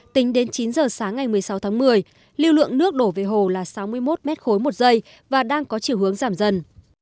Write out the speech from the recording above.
tính đến chín giờ sáng ngày một mươi sáu tháng một mươi lưu lượng nước đổ về hồ là sáu mươi một m ba một giây và đang có chiều hướng giảm dần